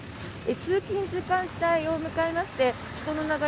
通勤時間帯を迎えまして人の流れ